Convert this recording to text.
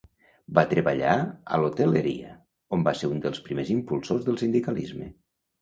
Va treballar a l'hoteleria, on va ser un dels primers impulsors del sindicalisme.